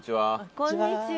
こんにちは。